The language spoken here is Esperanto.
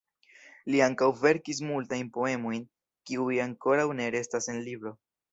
Li ankaŭ verkis multajn poemojn kiuj ankoraŭ ne restas en libro.